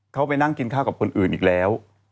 เขาไปนั่งกินข้าวกับคนอื่นอีกแล้ว